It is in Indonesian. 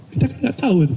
kita kan gak tahu